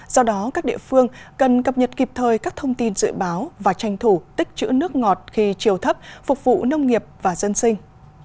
do đó các địa phương cần cập nhật kịp thời các thông tin dự báo và tranh thủ tích chữ nước ngọt khi chiều thấp phục vụ nông nghiệp và dân sinh